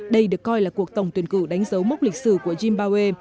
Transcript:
đây được coi là cuộc tổng tuyển cử đánh dấu mốc lịch sử của zimbabwe